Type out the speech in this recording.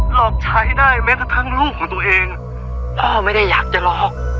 หลอกใช้ได้แม้กระทั่งลูกของตัวเองพ่อไม่ได้อยากจะหลอก